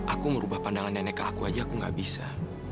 aku merubah pandangan nenek ke aku aja aku gak bisa